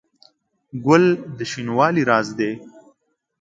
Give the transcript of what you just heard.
ګل د شینوالي راز دی.